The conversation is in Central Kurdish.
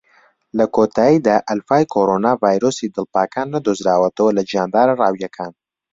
لە کۆتایدا، ئەلفای کۆرۆنا ڤایرۆسی ئەڵپاکان نەدۆزراوەتەوە لە گیاندارە ڕاویەکان.